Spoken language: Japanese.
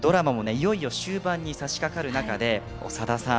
いよいよ終盤にさしかかる中で長田さん